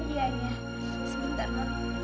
iya ya sebentar nont